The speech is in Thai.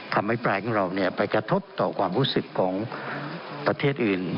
อภิปรายของเราไปกระทบต่อความรู้สึกของประเทศอื่น